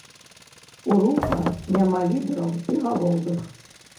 У руха няма лідараў і галоўных.